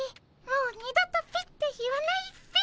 もう二度と「ピッ」て言わないっピ。